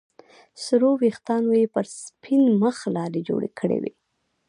سرو ويښتانو يې پر سپين مخ لارې جوړې کړې وې.